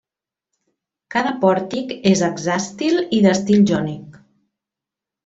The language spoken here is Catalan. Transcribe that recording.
Cada pòrtic és hexàstil i d'estil jònic.